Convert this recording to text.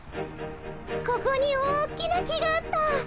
ここに大きな木があった！